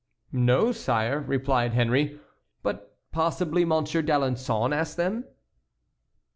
"No, sire," replied Henry, "but possibly Monsieur d'Alençon asked them."